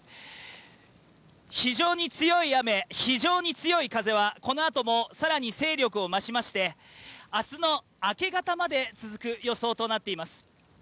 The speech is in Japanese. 非常に強い雨、非常に強い風はこのあとも更に勢力を増しまして明日の明け方まで続く予想となっています。